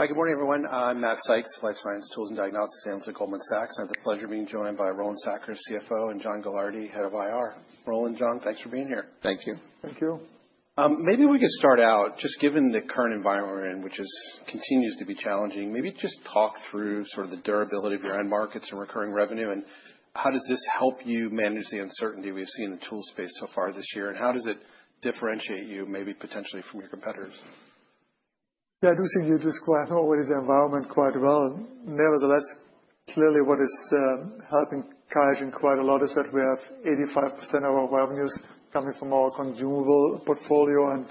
Hi, good morning, everyone. I'm Matt Sykes, Life Science Tools and Diagnostics Analyst at Goldman Sachs. I have the pleasure of being joined by Roland Sackers, CFO, and Jon Gilardi, Head of IR. Roland, Jon, thanks for being here. Thank you. Thank you. Maybe we could start out, just given the current environment, which continues to be challenging, maybe just talk through sort of the durability of your end markets and recurring revenue, and how does this help you manage the uncertainty we have seen in the tool space so far this year, and how does it differentiate you maybe potentially from your competitors? Yeah, I do think you described already the environment quite well. Nevertheless, clearly what is helping QIAGEN quite a lot is that we have 85% of our revenues coming from our consumable portfolio, and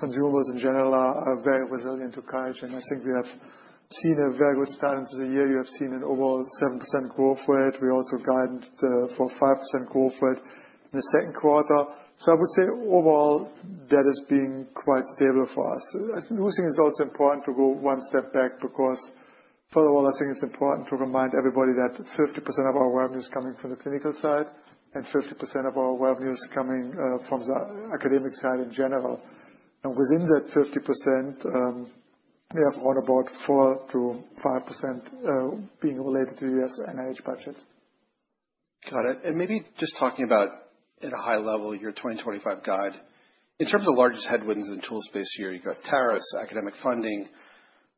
consumables in general are very resilient to QIAGEN. I think we have seen a very good start into the year. You have seen an overall 7% growth rate. We also guided for a 5% growth rate in the second quarter. I would say overall that is being quite stable for us. I do think it's also important to go one step back because, first of all, I think it's important to remind everybody that 50% of our revenue is coming from the clinical side and 50% of our revenue is coming from the academic side in general. Within that 50%, we have on about 4%-5% being related to U.S. NIH budgets. Got it. Maybe just talking about, at a high level, your 2025 guide, in terms of the largest headwinds in the tool space here, you've got tariffs, academic funding,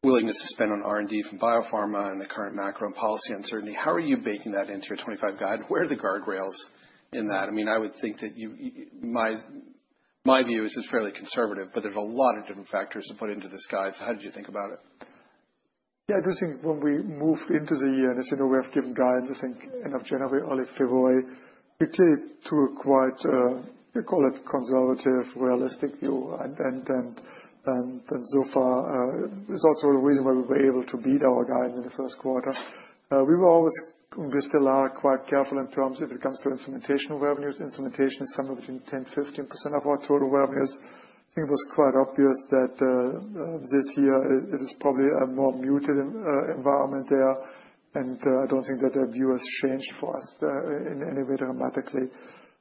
willingness to spend on R&D from biopharma, and the current macro and policy uncertainty. How are you baking that into your 2025 guide? Where are the guardrails in that? I mean, I would think that my view is it's fairly conservative, but there's a lot of different factors to put into this guide. How did you think about it? Yeah, I do think when we moved into the year, and as you know, we have given guidance, I think, end of January, early February, we clearly took quite, I call it, conservative, realistic view. And so far, it's also the reason why we were able to beat our guidance in the first quarter. We were always, and we still are, quite careful in terms if it comes to instrumentation revenues. Instrumentation is somewhere between 10% and 15% of our total revenues. I think it was quite obvious that this year it is probably a more muted environment there, and I don't think that the view has changed for us in any way dramatically.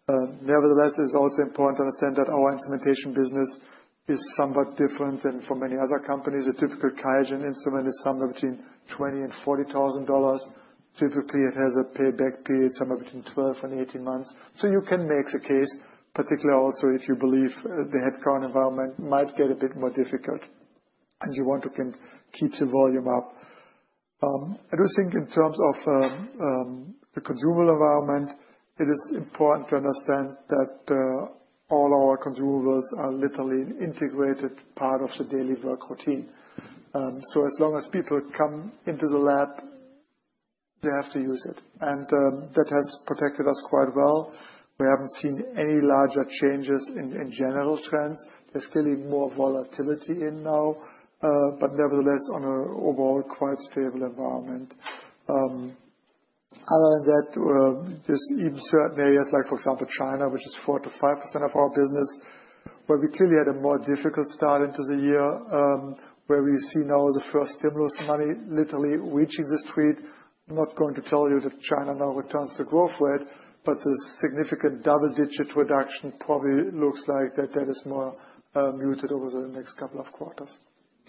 Nevertheless, it is also important to understand that our instrumentation business is somewhat different than for many other companies. A typical QIAGEN instrument is somewhere between $20,000 and $40,000. Typically, it has a payback period somewhere between 12 and 18 months. You can make the case, particularly also if you believe the headcount environment might get a bit more difficult, and you want to keep the volume up. I do think in terms of the consumable environment, it is important to understand that all our consumables are literally an integrated part of the daily work routine. As long as people come into the lab, they have to use it. That has protected us quite well. We have not seen any larger changes in general trends. There is clearly more volatility in now, but nevertheless, on an overall quite stable environment. Other than that, just even certain areas, like for example, China, which is 4%-5% of our business, where we clearly had a more difficult start into the year, where we see now the first stimulus money literally reaching the street. I'm not going to tell you that China now returns to growth rate, but the significant double-digit reduction probably looks like that that is more muted over the next couple of quarters.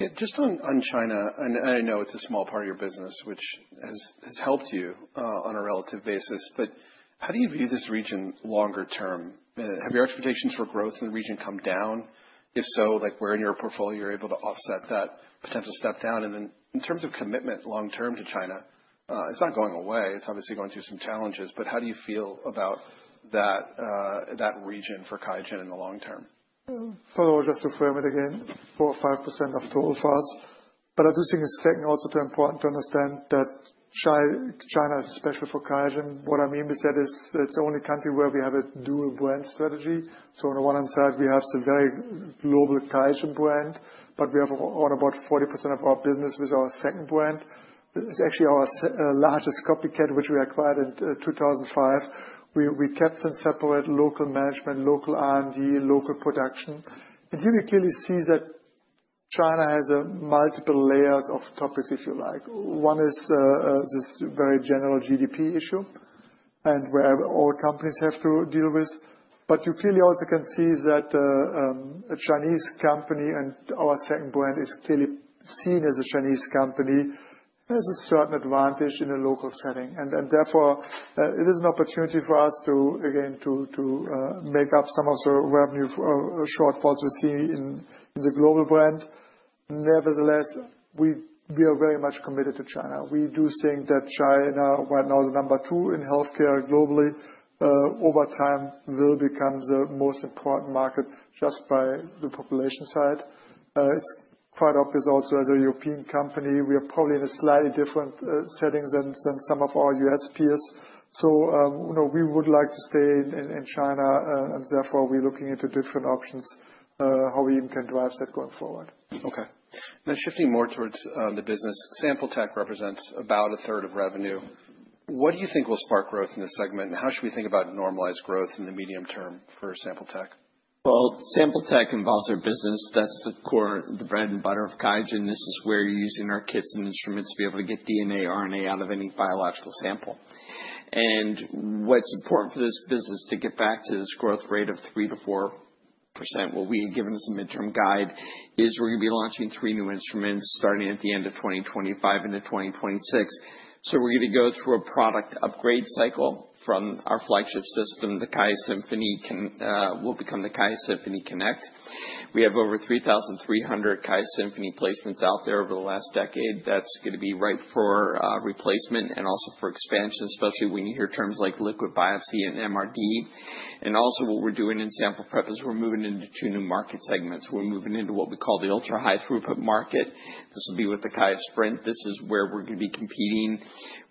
Yeah, just on China, and I know it's a small part of your business, which has helped you on a relative basis, but how do you view this region longer term? Have your expectations for growth in the region come down? If so, like where in your portfolio you're able to offset that potential step down? In terms of commitment long term to China, it's not going away. It's obviously going through some challenges, but how do you feel about that region for QIAGEN in the long term? First of all, just to frame it again, 4% or 5% of total for us. I do think it's second also too important to understand that China, especially for QIAGEN, what I mean with that is it's the only country where we have a dual brand strategy. On the one hand side, we have the very global QIAGEN brand, but we have on about 40% of our business with our second brand. It's actually our largest copycat, which we acquired in 2005. We kept and separate local management, local R&D, local production. Here we clearly see that China has multiple layers of topics, if you like. One is this very general GDP issue and where all companies have to deal with. You clearly also can see that a Chinese company and our second brand is clearly seen as a Chinese company has a certain advantage in a local setting. Therefore, it is an opportunity for us to, again, to make up some of the revenue shortfalls we see in the global brand. Nevertheless, we are very much committed to China. We do think that China right now is number two in healthcare globally. Over time, it will become the most important market just by the population side. It's quite obvious also as a European company, we are probably in a slightly different setting than some of our U.S. peers. We would like to stay in China, and therefore we're looking into different options, how we even can drive that going forward. Okay. And then shifting more towards the business, sample tech represents about a third of revenue. What do you think will spark growth in this segment, and how should we think about normalized growth in the medium term for sample tech? Sample tech involves our business. That's the core, the bread and butter of QIAGEN. This is where you're using our kits and instruments to be able to get DNA, RNA out of any biological sample. What's important for this business to get back to this growth rate of 3%-4%, what we have given as a midterm guide, is we're going to be launching three new instruments starting at the end of 2025 into 2026. We're going to go through a product upgrade cycle from our flagship system. The QIAsymphony will become the QIAsymphony Connect. We have over 3,300 QIAsymphony placements out there over the last decade. That's going to be ripe for replacement and also for expansion, especially when you hear terms like liquid biopsy and MRD. What we're doing in sample prep is we're moving into two new market segments. We're moving into what we call the ultra high throughput market. This will be with the QIAsprint. This is where we're going to be competing,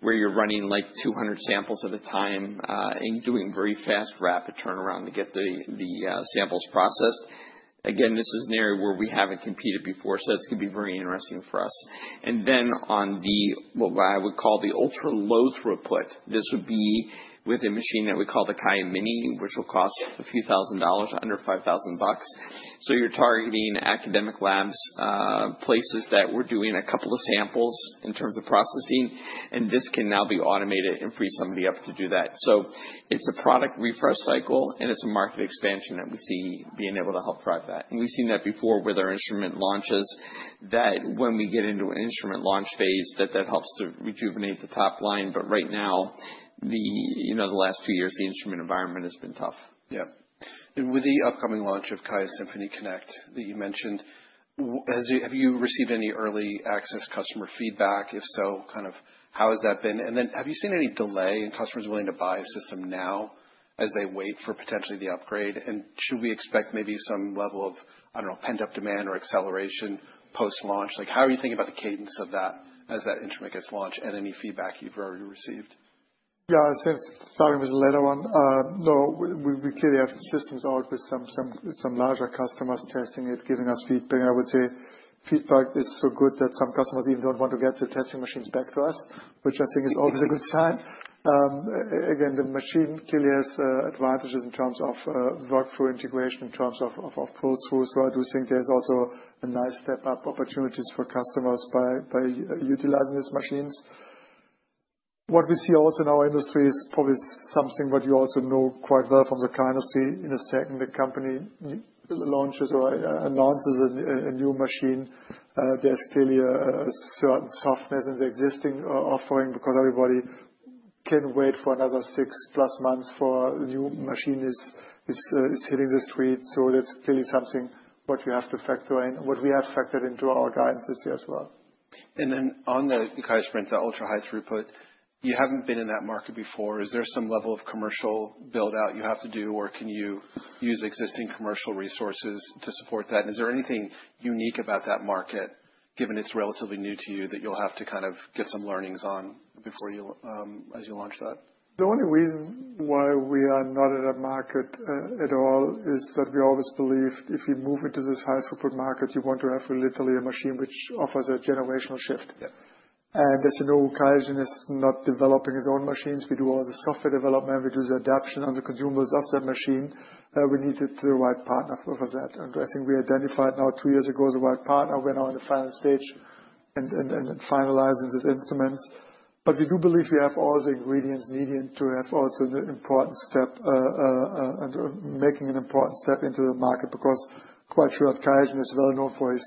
where you're running like 200 samples at a time and doing very fast, rapid turnaround to get the samples processed. Again, this is an area where we haven't competed before, so it's going to be very interesting for us. On what I would call the ultra low throughput, this would be with a machine that we call the QIA Mini, which will cost a few thousand dollars, under $5,000. You're targeting academic labs, places that were doing a couple of samples in terms of processing, and this can now be automated and free somebody up to do that. It's a product refresh cycle, and it's a market expansion that we see being able to help drive that. We've seen that before with our instrument launches, that when we get into an instrument launch phase, that helps to rejuvenate the top line. Right now, the last two years, the instrument environment has been tough. Yeah. With the upcoming launch of QIAsymphony Connect that you mentioned, have you received any early access customer feedback? If so, kind of how has that been? Have you seen any delay in customers willing to buy a system now as they wait for potentially the upgrade? Should we expect maybe some level of, I do not know, pent-up demand or acceleration post-launch? How are you thinking about the cadence of that as that instrument gets launched and any feedback you have already received? Yeah, I said starting with the later one, no, we clearly have systems out with some larger customers testing it, giving us feedback. I would say feedback is so good that some customers even do not want to get the testing machines back to us, which I think is always a good sign. Again, the machine clearly has advantages in terms of workflow integration, in terms of throughput. I do think there are also nice step-up opportunities for customers by utilizing these machines. What we see also in our industry is probably something that you also know quite well from the kindness in a second, the company launches or announces a new machine, there is clearly a certain softness in the existing offering because everybody can wait for another 6+ months for a new machine that is hitting the street. That's clearly something what you have to factor in, what we have factored into our guidance this year as well. On the QIAsprint, the ultra high-throughput, you haven't been in that market before. Is there some level of commercial build-out you have to do, or can you use existing commercial resources to support that? Is there anything unique about that market, given it's relatively new to you, that you'll have to kind of get some learnings on as you launch that? The only reason why we are not in that market at all is that we always believed if you move into this high-throughput market, you want to have literally a machine which offers a generational shift. As you know, QIAGEN is not developing its own machines. We do all the software development. We do the adaption on the consumables of that machine. We needed the right partner for that. I think we identified now two years ago as the right partner. We are now in the final stage and finalizing these instruments. We do believe we have all the ingredients needed to have also an important step, making an important step into the market because quite sure QIAGEN is well known for its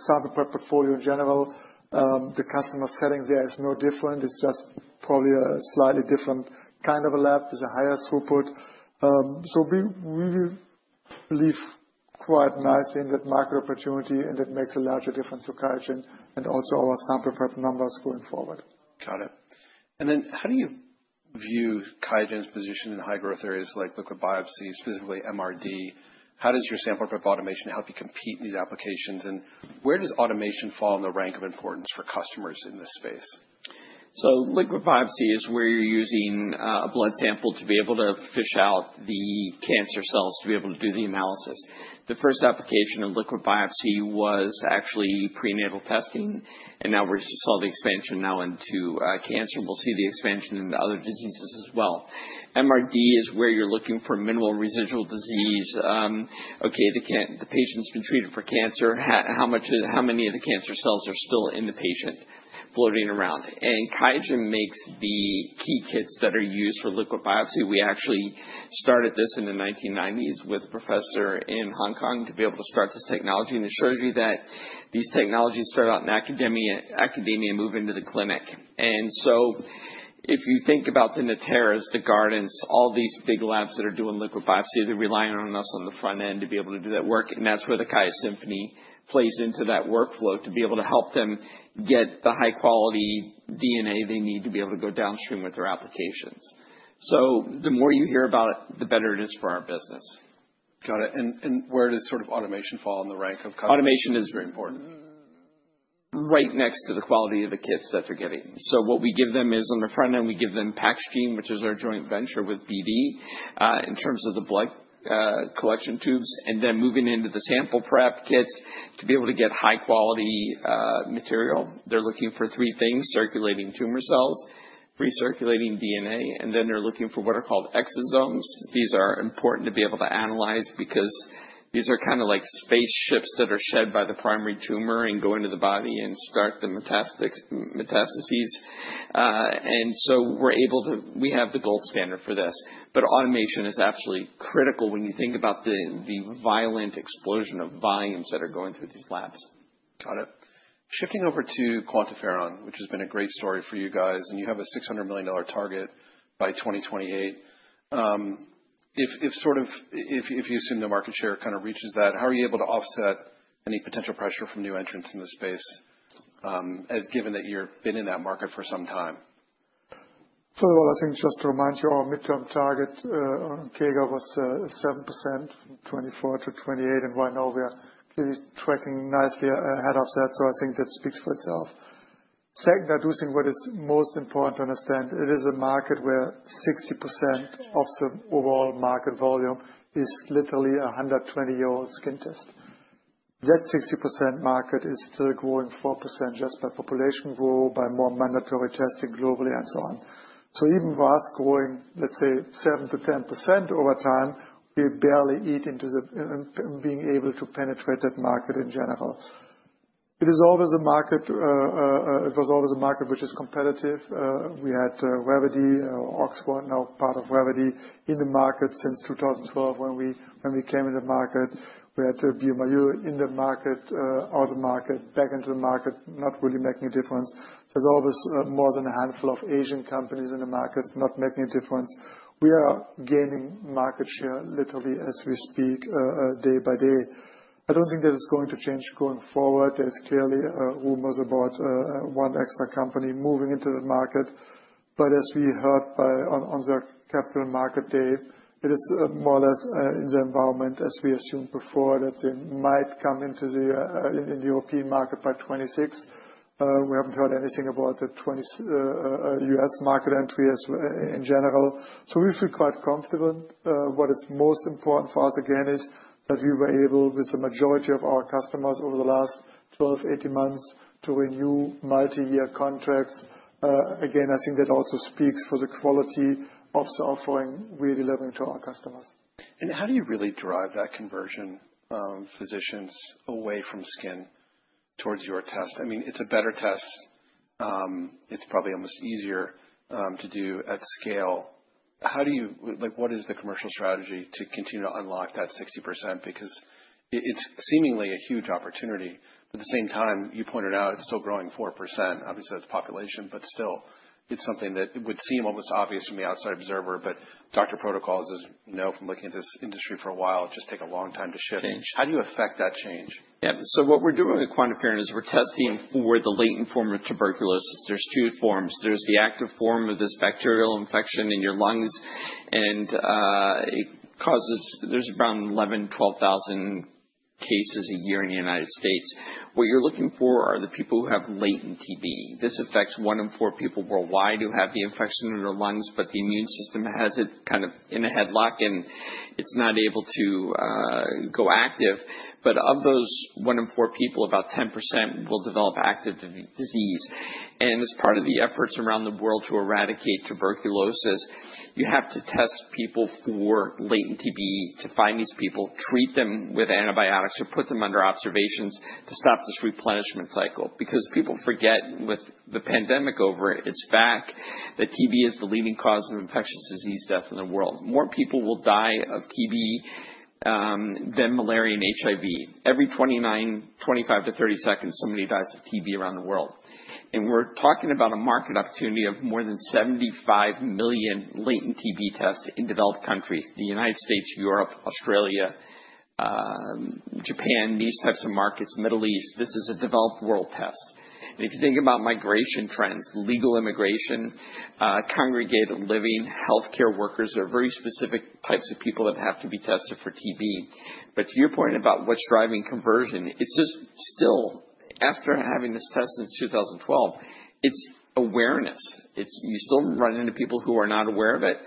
sample prep portfolio in general. The customer setting there is no different. It's just probably a slightly different kind of a lab with a higher throughput. We believe quite nicely in that market opportunity, and that makes a larger difference to QIAGEN and also our sample prep numbers going forward. Got it. And then how do you view QIAGEN's position in high-growth areas like liquid biopsy, specifically MRD? How does your sample prep automation help you compete in these applications? And where does automation fall in the rank of importance for customers in this space? Liquid biopsy is where you're using a blood sample to be able to fish out the cancer cells to be able to do the analysis. The first application of liquid biopsy was actually prenatal testing. Now we saw the expansion now into cancer. We'll see the expansion in other diseases as well. MRD is where you're looking for minimal residual disease. Okay, the patient's been treated for cancer. How many of the cancer cells are still in the patient floating around? And QIAGEN makes the key kits that are used for liquid biopsy. We actually started this in the 1990s with a professor in Hong Kong to be able to start this technology. It shows you that these technologies start out in academia and move into the clinic. If you think about the Natera's, the Guardant's, all these big labs that are doing liquid biopsy, they're relying on us on the front end to be able to do that work. That is where the QIA Symphony plays into that workflow to be able to help them get the high-quality DNA they need to be able to go downstream with their applications. The more you hear about it, the better it is for our business. Got it. Where does sort of automation fall in the rank of? Automation is very important, right next to the quality of the kits that they're getting. So what we give them is on the front end, we give them PAXgene, which is our joint venture with BD in terms of the blood collection tubes, and then moving into the sample prep kits to be able to get high-quality material. They're looking for three things: circulating tumor cells, free circulating DNA, and then they're looking for what are called exosomes. These are important to be able to analyze because these are kind of like spaceships that are shed by the primary tumor and go into the body and start the metastases. And so we're able to, we have the gold standard for this. But automation is absolutely critical when you think about the violent explosion of volumes that are going through these labs. Got it. Shifting over to QuantiFERON, which has been a great story for you guys, and you have a $600 million target by 2028. If sort of if you assume the market share kind of reaches that, how are you able to offset any potential pressure from new entrants in the space, given that you've been in that market for some time? First of all, I think just to remind you, our midterm target on CAGR was 7% from 2024 to 2028, and right now we are clearly tracking nicely ahead of that. I think that speaks for itself. Second, I do think what is most important to understand, it is a market where 60% of the overall market volume is literally a 120-year-old skin test. That 60% market is still growing 4% just by population growth, by more mandatory testing globally, and so on. Even for us growing, let's say, 7%-10% over time, we barely eat into being able to penetrate that market in general. It is always a market, it was always a market which is competitive. We had Revvity, Oxford, now part of Revvity in the market since 2012 when we came into the market. We had bioMérieux in the market, out of the market, back into the market, not really making a difference. There's always more than a handful of Asian companies in the markets not making a difference. We are gaining market share literally as we speak day by day. I don't think that it's going to change going forward. There are clearly rumors about one extra company moving into the market. As we heard on the capital market day, it is more or less in the environment as we assumed before that they might come into the European market by 2026. We haven't heard anything about the U.S. market entry in general. We feel quite comfortable. What is most important for us again is that we were able, with the majority of our customers over the last 12, 18 months, to renew multi-year contracts. Again, I think that also speaks for the quality of the offering we're delivering to our customers. How do you really drive that conversion of physicians away from skin towards your test? I mean, it's a better test. It's probably almost easier to do at scale. How do you, like what is the commercial strategy to continue to unlock that 60%? Because it's seemingly a huge opportunity. At the same time, you pointed out it's still growing 4%. Obviously, that's population, but still, it's something that would seem almost obvious from the outside observer. Doctor protocols, as you know from looking at this industry for a while, just take a long time to ship. Change. How do you affect that change? Yeah. So what we're doing with QuantiFERON is we're testing for the latent form of tuberculosis. There's two forms. There's the active form of this bacterial infection in your lungs, and it causes, there's around 11,000, 12,000 cases a year in the United States. What you're looking for are the people who have latent TB. This affects one in four people worldwide who have the infection in their lungs, but the immune system has it kind of in a headlock, and it's not able to go active. Of those one in four people, about 10% will develop active disease. As part of the efforts around the world to eradicate tuberculosis, you have to test people for latent TB to find these people, treat them with antibiotics, or put them under observations to stop this replenishment cycle. Because people forget with the pandemic over, it's back, that TB is the leading cause of infectious disease death in the world. More people will die of TB than malaria and HIV. Every 25 to 30 seconds, somebody dies of TB around the world. We're talking about a market opportunity of more than 75 million latent TB tests in developed countries: the United States, Europe, Australia, Japan, these types of markets, Middle East. This is a developed world test. If you think about migration trends, legal immigration, congregated living, healthcare workers, there are very specific types of people that have to be tested for TB. To your point about what's driving conversion, it's just still, after having this test since 2012, it's awareness. You still run into people who are not aware of it.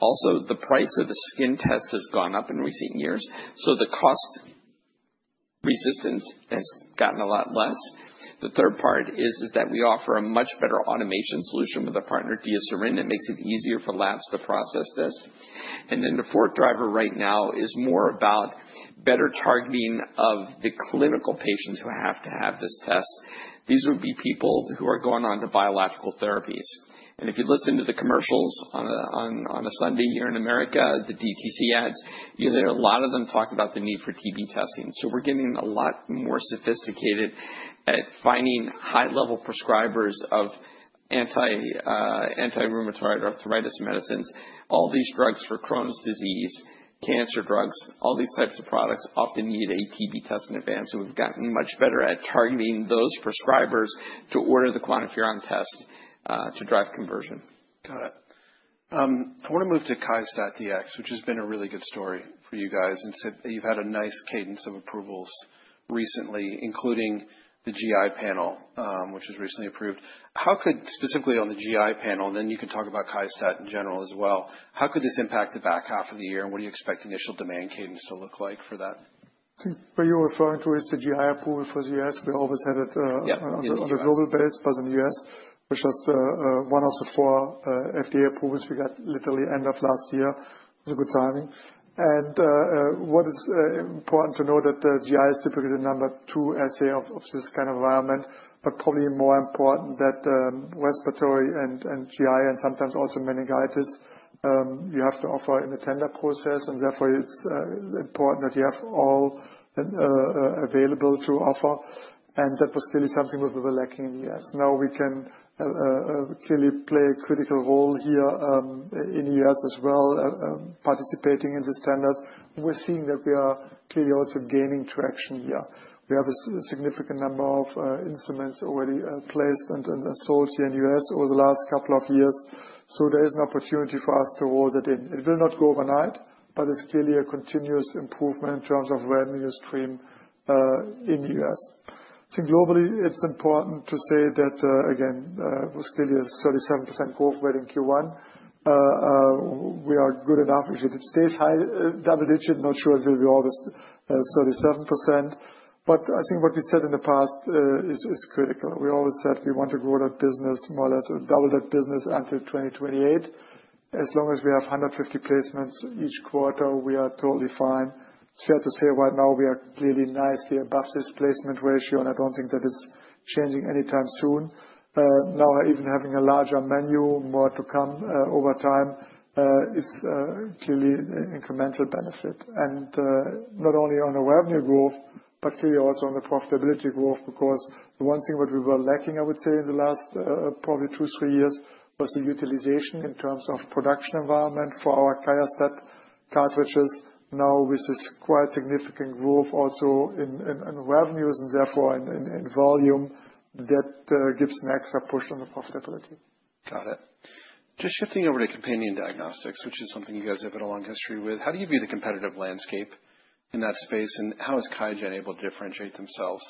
Also, the price of the skin test has gone up in recent years. The cost resistance has gotten a lot less. The third part is that we offer a much better automation solution with our partner, DiaSorin. It makes it easier for labs to process this. The fourth driver right now is more about better targeting of the clinical patients who have to have this test. These would be people who are going on to biological therapies. If you listen to the commercials on a Sunday here in America, the DTC ads, you hear a lot of them talk about the need for TB testing. We're getting a lot more sophisticated at finding high-level prescribers of anti-rheumatoid arthritis medicines. All these drugs for Crohn's disease, cancer drugs, all these types of products often need a TB test in advance. We've gotten much better at targeting those prescribers to order the QuantiFERON test to drive conversion. Got it. I want to move to QIAstat-Dx, which has been a really good story for you guys. You've had a nice cadence of approvals recently, including the GI panel, which was recently approved. Specifically on the GI panel, and then you can talk about QIAstat in general as well, how could this impact the back half of the year? What do you expect initial demand cadence to look like for that? I think what you're referring to is the GI approval for the U.S. We always had it on a global base, but in the U.S., we're just one of the four FDA approvals we got literally end of last year. It was a good timing. What is important to know is that GI is typically the number two assay of this kind of environment, but probably more important that respiratory and GI, and sometimes also meningitis, you have to offer in the tender process. Therefore, it's important that you have all available to offer. That was clearly something we were lacking in the U.S. Now we can clearly play a critical role here in the U.S. as well, participating in these tenders. We're seeing that we are clearly also gaining traction here. We have a significant number of instruments already placed and sold here in the U.S. over the last couple of years. There is an opportunity for us to roll that in. It will not go overnight, but it is clearly a continuous improvement in terms of revenue stream in the U.S.. I think globally, it is important to say that, again, it was clearly a 37% growth rate in Q1. We are good enough. If it stays high, double-digit, not sure it will be always 37%. I think what we said in the past is critical. We always said we want to grow that business, more or less double that business until 2028. As long as we have 150 placements each quarter, we are totally fine. It is fair to say right now we are clearly nicely above this placement ratio, and I do not think that it is changing anytime soon. Now, even having a larger menu, more to come over time, is clearly an incremental benefit. Not only on the revenue growth, but clearly also on the profitability growth, because the one thing that we were lacking, I would say, in the last probably two, three years was the utilization in terms of production environment for our QIAstat cartridges. Now, this is quite significant growth also in revenues and therefore in volume that gives an extra push on the profitability. Got it. Just shifting over to companion diagnostics, which is something you guys have had a long history with. How do you view the competitive landscape in that space, and how has QIAGEN able to differentiate themselves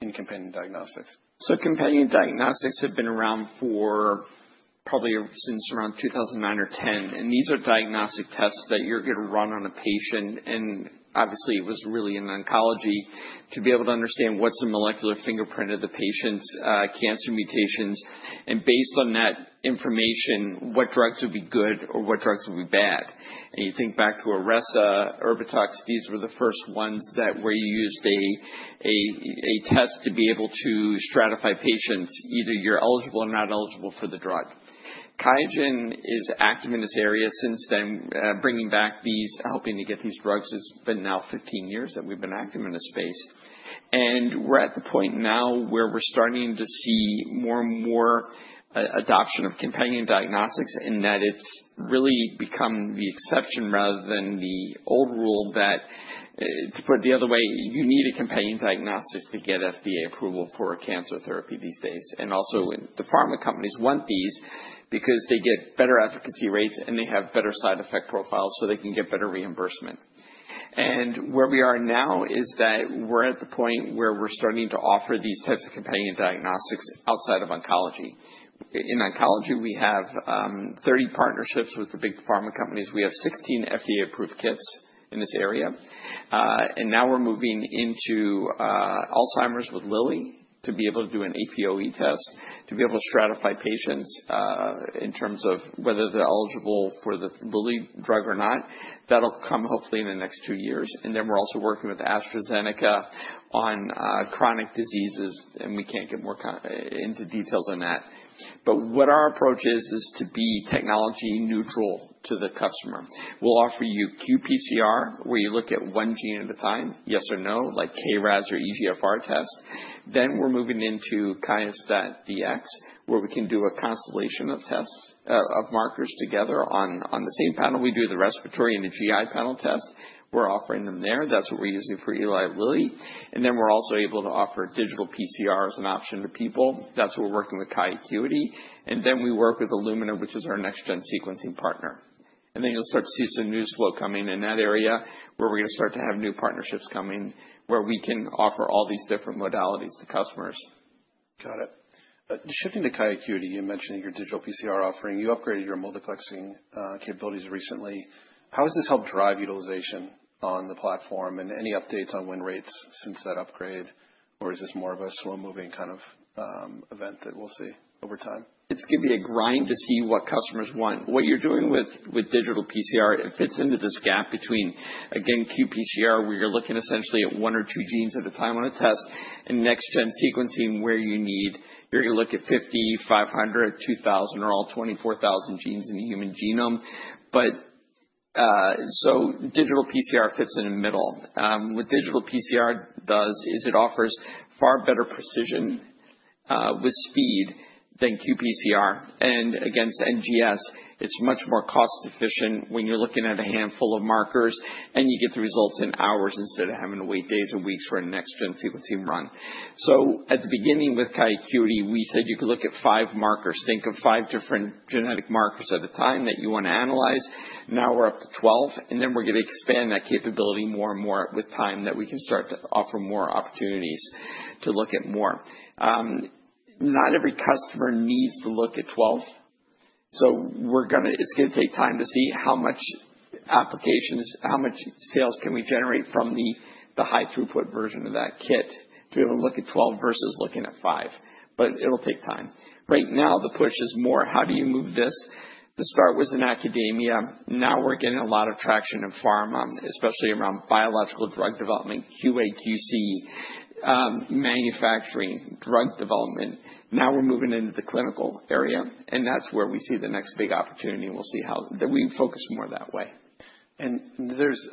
in companion diagnostics? Companion diagnostics have been around for probably since around 2009 or 2010. These are diagnostic tests that you're going to run on a patient. Obviously, it was really in oncology to be able to understand what's the molecular fingerprint of the patient's cancer mutations. Based on that information, what drugs would be good or what drugs would be bad. You think back to IRESSA, Erbitux, these were the first ones that used a test to be able to stratify patients, either you're eligible or not eligible for the drug. QIAGEN is active in this area since then, bringing back these, helping to get these drugs. It's been now 15 years that we've been active in this space. We're at the point now where we're starting to see more and more adoption of companion diagnostics in that it's really become the exception rather than the old rule that, to put it the other way, you need a companion diagnostic to get FDA approval for a cancer therapy these days. Also, the pharma companies want these because they get better efficacy rates and they have better side effect profiles so they can get better reimbursement. Where we are now is that we're at the point where we're starting to offer these types of companion diagnostics outside of oncology. In oncology, we have 30 partnerships with the big pharma companies. We have 16 FDA-approved kits in this area. Now we're moving into Alzheimer's with Lilly to be able to do an APOE test to be able to stratify patients in terms of whether they're eligible for the Lilly drug or not. That'll come hopefully in the next two years. We're also working with AstraZeneca on chronic diseases, and we can't get more into details on that. What our approach is, is to be technology neutral to the customer. We'll offer you qPCR, where you look at one gene at a time, yes or no, like KRAS or EGFR test. We're moving into QIAstat-Dx, where we can do a constellation of tests of markers together on the same panel. We do the respiratory and the GI panel test. We're offering them there. That's what we're using for Eli Lilly. We're also able to offer digital PCR as an option to people. That's why we're working with QIAcuity. And then we work with Illumina, which is our next-gen sequencing partner. And then you'll start to see some news flow coming in that area where we're going to start to have new partnerships coming where we can offer all these different modalities to customers. Got it. Shifting to QIAcuity, you mentioned that your digital PCR offering, you upgraded your multiplexing capabilities recently. How has this helped drive utilization on the platform and any updates on win rates since that upgrade? Or is this more of a slow-moving kind of event that we'll see over time? It's going to be a grind to see what customers want. What you're doing with digital PCR, it fits into this gap between, again, qPCR, where you're looking essentially at one or two genes at a time on a test, and next-generation sequencing, where you need, you're going to look at 50, 500, 2,000, or all 24,000 genes in the human genome. Digital PCR fits in the middle. What digital PCR does is it offers far better precision with speed than qPCR. Against NGS, it's much more cost-efficient when you're looking at a handful of markers and you get the results in hours instead of having to wait days or weeks for a next-generation sequencing run. At the beginning with QIAcuity, we said you could look at five markers. Think of five different genetic markers at a time that you want to analyze. Now we're up to 12, and then we're going to expand that capability more and more with time that we can start to offer more opportunities to look at more. Not every customer needs to look at 12. It's going to take time to see how much applications, how much sales can we generate from the high-throughput version of that kit to be able to look at 12 versus looking at 5. It'll take time. Right now, the push is more, how do you move this? The start was in academia. Now we're getting a lot of traction in pharma, especially around biological drug development, QAQC, manufacturing, drug development. Now we're moving into the clinical area, and that's where we see the next big opportunity. We'll see how that we focus more that way. There is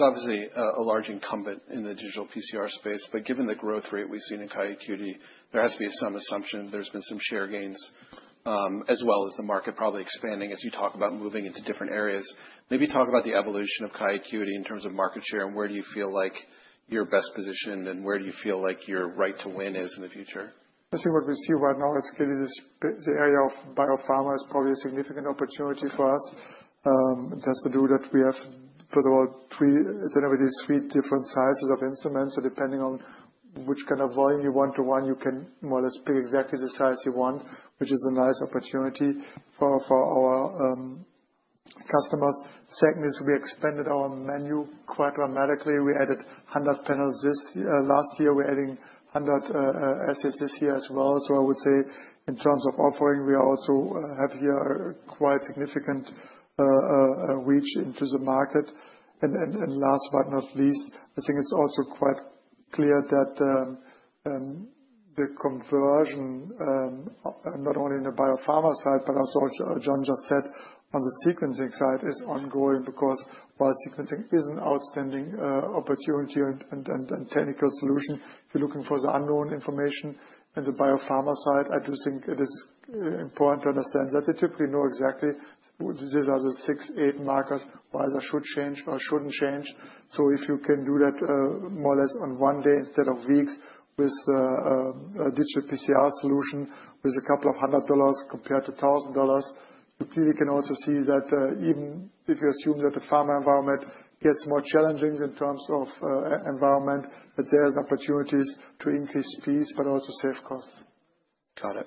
obviously a large incumbent in the digital PCR space, but given the growth rate we have seen in QIAcuity, there has to be some assumption that there have been some share gains as well as the market probably expanding as you talk about moving into different areas. Maybe talk about the evolution of QIAcuity in terms of market share and where you feel like you are best positioned and where you feel like your right to win is in the future? I think what we see right now is clearly the area of biopharma is probably a significant opportunity for us. It has to do that we have, first of all, generally three different sizes of instruments. So depending on which kind of volume you want to run, you can more or less pick exactly the size you want, which is a nice opportunity for our customers. Second is we expanded our menu quite dramatically. We added 100 panels this last year. We're adding 100 assays this year as well. I would say in terms of offering, we also have here a quite significant reach into the market. Last but not least, I think it is also quite clear that the conversion, not only on the biopharma side, but also, as Jon just said, on the sequencing side is ongoing because while sequencing is an outstanding opportunity and technical solution, if you are looking for the unknown information on the biopharma side, I do think it is important to understand that they typically know exactly these are the six, eight markers why they should change or should not change. If you can do that more or less in one day instead of weeks with a digital PCR solution with a couple of hundred dollars compared to $1,000, you clearly can also see that even if you assume that the pharma environment gets more challenging in terms of environment, there are opportunities to increase speeds, but also save costs. Got it.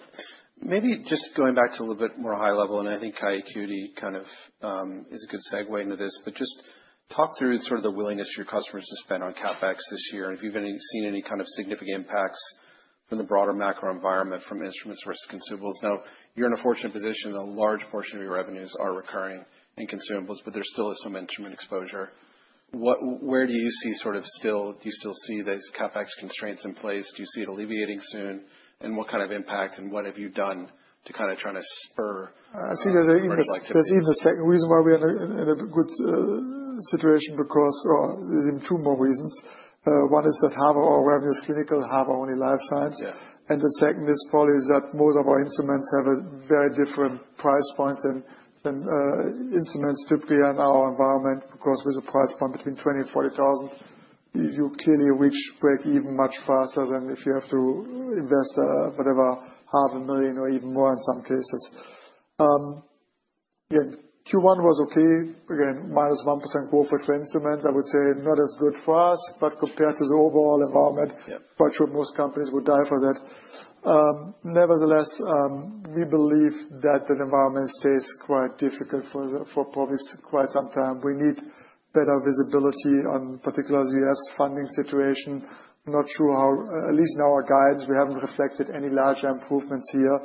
Maybe just going back to a little bit more high level, and I think QIAcuity kind of is a good segue into this, but just talk through sort of the willingness of your customers to spend on CapEx this year. If you've seen any kind of significant impacts from the broader macro environment from instruments versus consumables. Now, you're in a fortunate position that a large portion of your revenues are recurring in consumables, but there still is some instrument exposure. Where do you see sort of still, do you still see these CapEx constraints in place? Do you see it alleviating soon? What kind of impact and what have you done to kind of try to spur? I think there's even a second reason why we're in a good situation because, or there's even two more reasons. One is that half of our revenue is clinical, half of our only life science. The second is probably that most of our instruments have a very different price point than instruments typically in our environment because with a price point between $20,000 and $40,000, you clearly reach break even much faster than if you have to invest, whatever, $500,000 or even more in some cases. Again, Q1 was okay. Again, -1% growth rate for instruments, I would say not as good for us, but compared to the overall environment, quite sure most companies would die for that. Nevertheless, we believe that the environment stays quite difficult for probably quite some time. We need better visibility on particular U.S. funding situation. Not sure how, at least in our guides, we have not reflected any larger improvements here.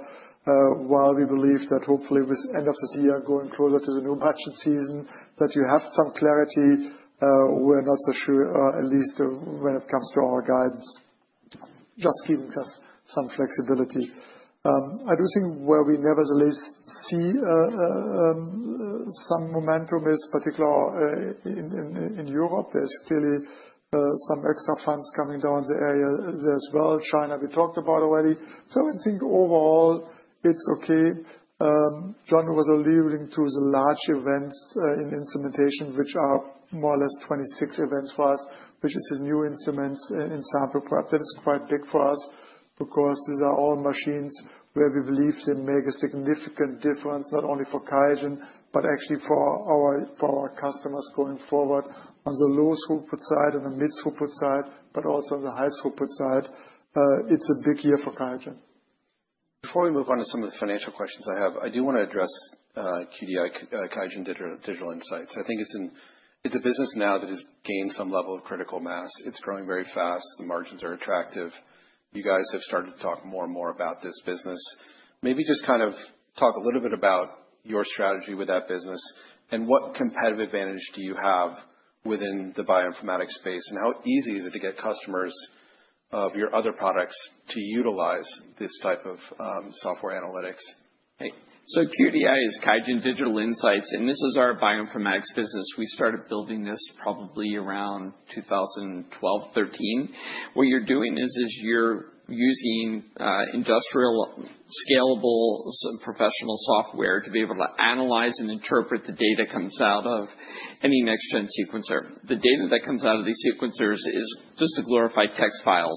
While we believe that hopefully with end of this year going closer to the new budget season, that you have some clarity, we are not so sure, at least when it comes to our guides, just giving us some flexibility. I do think where we nevertheless see some momentum is particularly in Europe. There is clearly some extra funds coming down the area there as well. China we talked about already. I think overall it is okay. Jon was alluding to the large events in instrumentation, which are more or less 26 events for us, which is his new instruments in sample prep. That is quite big for us because these are all machines where we believe they make a significant difference, not only for QIAGEN, but actually for our customers going forward on the low throughput side and the mid throughput side, but also on the high throughput side. It's a big year for QIAGEN. Before we move on to some of the financial questions I have, I do want to address QIAGEN Digital Insights. I think it's a business now that has gained some level of critical mass. It's growing very fast. The margins are attractive. You guys have started to talk more and more about this business. Maybe just kind of talk a little bit about your strategy with that business and what competitive advantage do you have within the bioinformatics space and how easy is it to get customers of your other products to utilize this type of software analytics? QDI is QIAGEN Digital Insights, and this is our bioinformatics business. We started building this probably around 2012, 2013. What you're doing is you're using industrial scalable professional software to be able to analyze and interpret the data that comes out of any next-gen sequencer. The data that comes out of these sequencers is just a glorified text file,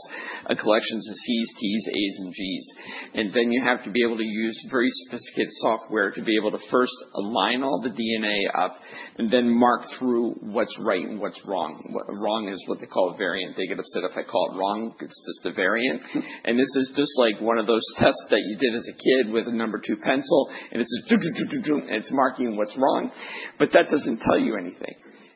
a collection of Cs, Ts, As, and Gs. You have to be able to use very specific software to be able to first align all the DNA up and then mark through what's right and what's wrong. Wrong is what they call a variant. They get upset if I call it wrong. It's just a variant. This is just like one of those tests that you did as a kid with a number two pencil, and it's just do, do, do, do, do, and it's marking what's wrong, but that doesn't tell you anything.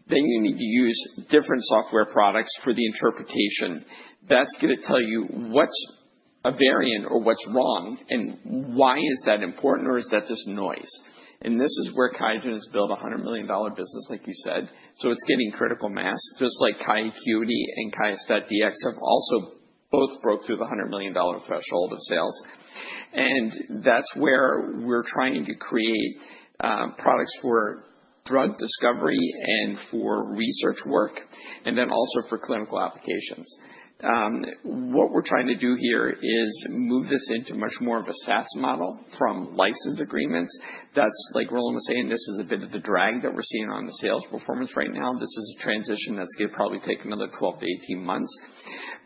You need to use different software products for the interpretation. That's going to tell you what's a variant or what's wrong and why is that important or is that just noise? This is where QIAGEN has built a $100 million business, like you said. It's getting critical mass, just like QIAcuity and QIAstat-Dx have also both broke through the $100 million threshold of sales. That's where we're trying to create products for drug discovery and for research work and then also for clinical applications. What we're trying to do here is move this into much more of a SaaS model from license agreements. That's like Roland was saying, this is a bit of the drag that we're seeing on the sales performance right now. This is a transition that's going to probably take another 12 to 18 months.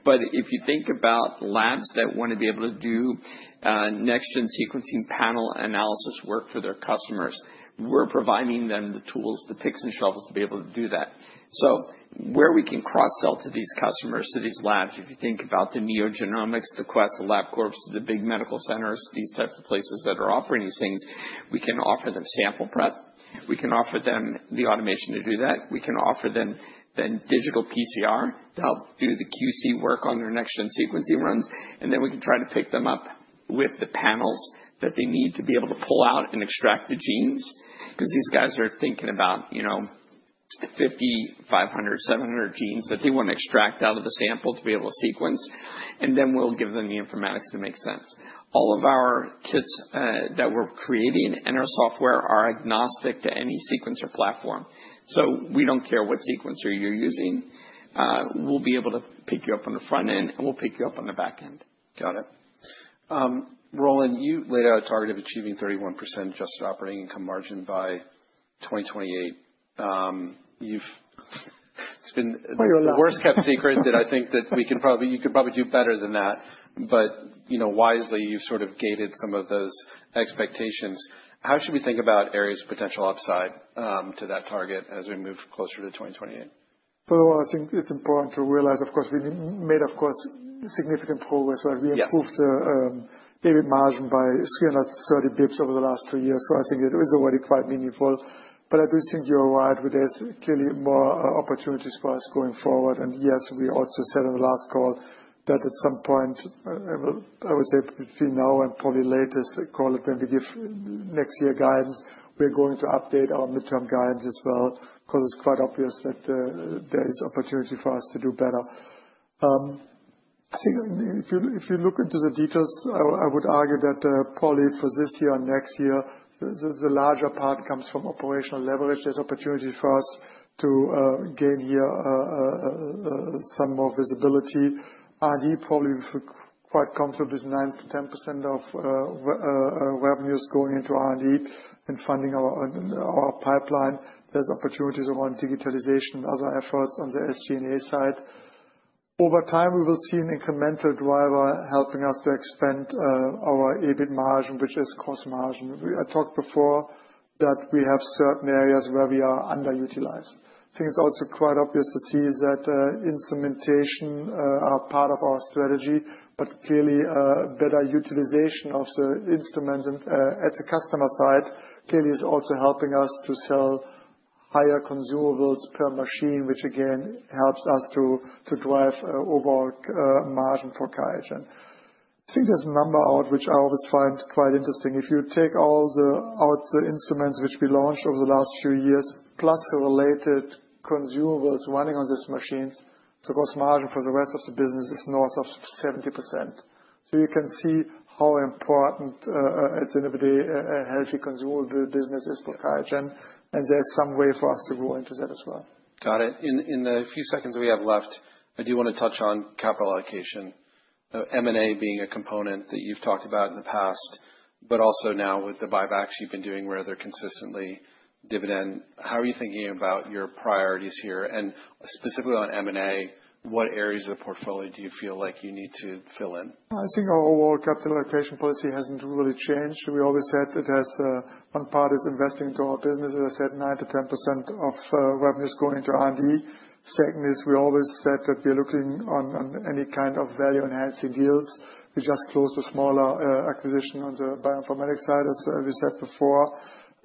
If you think about labs that want to be able to do next-gen sequencing panel analysis work for their customers, we're providing them the tools, the picks and shovels to be able to do that. Where we can cross-sell to these customers, to these labs, if you think about the NeoGenomics, the Quest, LabCorp, the big medical centers, these types of places that are offering these things, we can offer them sample prep. We can offer them the automation to do that. We can offer them then digital PCR to help do the QC work on their next-gen sequencing runs. We can try to pick them up with the panels that they need to be able to pull out and extract the genes because these guys are thinking about 500, 500, 700 genes that they want to extract out of the sample to be able to sequence. We will give them the informatics to make sense. All of our kits that we are creating and our software are agnostic to any sequencer platform. We do not care what sequencer you are using. We will be able to pick you up on the front end and we will pick you up on the back end. Got it. Roland, you laid out a target of achieving 31% adjusted operating income margin by 2028. It's been the worst kept secret that I think that we can probably, you could probably do better than that, but wisely you've sort of gated some of those expectations. How should we think about areas of potential upside to that target as we move closer to 2028? First of all, I think it's important to realize, of course, we made, of course, significant progress where we improved the EBIT margin by 330 basis points over the last two years. I think it is already quite meaningful. I do think you're right with this. Clearly, more opportunities for us going forward. Yes, we also said on the last call that at some point, I would say between now and probably latest call it when we give next year guidance, we're going to update our midterm guidance as well because it's quite obvious that there is opportunity for us to do better. I think if you look into the details, I would argue that probably for this year and next year, the larger part comes from operational leverage. There's opportunity for us to gain here some more visibility. R&D probably quite comfortable with 9%-10% of revenues going into R&D and funding our pipeline. There's opportunities around digitalization and other efforts on the SG&A side. Over time, we will see an incremental driver helping us to expand our EBIT margin, which is cost margin. I talked before that we have certain areas where we are underutilized. I think it's also quite obvious to see that instrumentation is part of our strategy, but clearly better utilization of the instruments at the customer side clearly is also helping us to sell higher consumables per machine, which again helps us to drive overall margin for QIAGEN. I think there's a number out which I always find quite interesting. If you take all the instruments which we launched over the last few years, plus the related consumables running on these machines, the cost margin for the rest of the business is north of 70%. You can see how important a healthy consumable business is for QIAGEN, and there's some way for us to grow into that as well. Got it. In the few seconds we have left, I do want to touch on capital allocation, M&A being a component that you've talked about in the past, but also now with the buybacks you've been doing where they're consistently dividend. How are you thinking about your priorities here? Specifically on M&A, what areas of the portfolio do you feel like you need to fill in? I think our overall capital allocation policy has not really changed. We always said it has one part is investing into our business. As I said, 9%-10% of revenues going into R&D. Second is we always said that we are looking on any kind of value-enhancing deals. We just closed a smaller acquisition on the bioinformatics side, as we said before.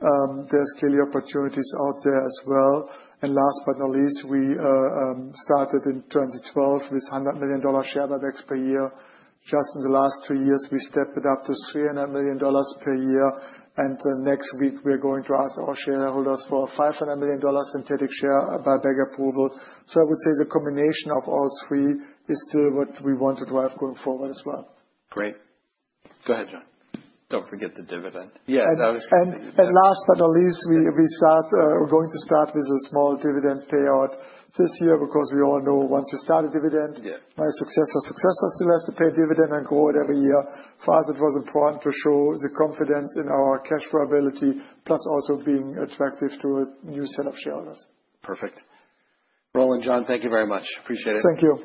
There are clearly opportunities out there as well. Last but not least, we started in 2012 with $100 million share buybacks per year. Just in the last two years, we stepped it up to $300 million per year. Next week, we are going to ask our shareholders for a $500 million synthetic share buyback approval. I would say the combination of all three is still what we want to drive going forward as well. Great. Go ahead, Jon. Don't forget the dividend. Yeah, that was. Last but not least, we're going to start with a small dividend payout this year because we all know once you start a dividend, my successor's successor still has to pay a dividend and grow it every year. For us, it was important to show the confidence in our cash flow ability, plus also being attractive to a new set of shareholders. Perfect. Roland, Jon, thank you very much. Appreciate it. Thank you.